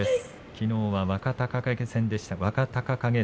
きのうは若隆景戦でした。